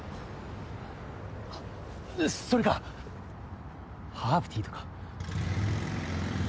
あっそれかハーブティーとか。